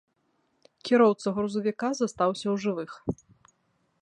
Кіроўца грузавіка застаўся ў жывых.